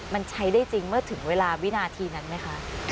มันใช้ได้จริงเมื่อถึงเวลาวินาทีนั้นไหมคะ